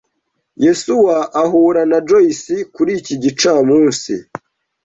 Yesuwa ahura na Joyce kuri iki gicamunsi.